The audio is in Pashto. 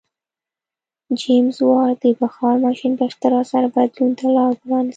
جېمز واټ د بخار ماشین په اختراع سره بدلون ته لار پرانیسته.